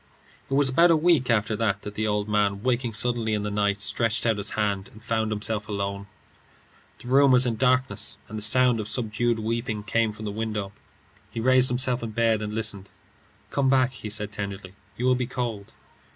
It was about a week after that the old man, waking suddenly in the night, stretched out his hand and found himself alone. The room was in darkness, and the sound of subdued weeping came from the window. He raised himself in bed and listened. "Come back," he said, tenderly. "You will be cold."